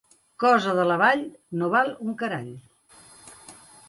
Cosa de la Vall no val un carall.